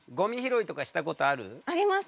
あります。